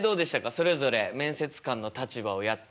それぞれ面接官の立場をやってみて。